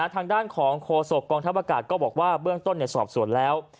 ทางด้านของโคศกองทัพอากาศก็บอกว่าเบื้องต้นสอบสวนแล้ว